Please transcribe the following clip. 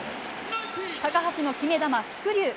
高橋の決め球、スクリュー。